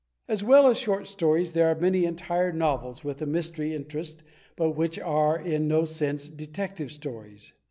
As well as short stories, there are many entire novels with a mystery interest but which are in no sense Detective Stories.